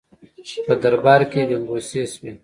په دربار کې ګنګوسې شوې.